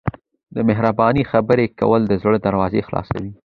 د مهربانۍ خبرې کول د زړه دروازې خلاصوي.